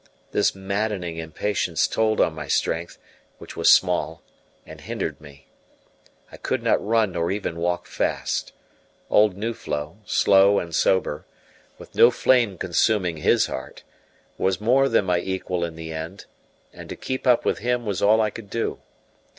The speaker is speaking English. This maddening impatience told on my strength, which was small, and hindered me. I could not run nor even walk fast; old Nuflo, slow, and sober, with no flame consuming his heart, was more than my equal in the end, and to keep up with him was all I could do.